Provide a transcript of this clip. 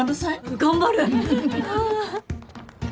頑張る！